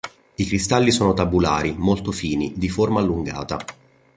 I cristalli sono tabulari, molto fini, di forma allungata.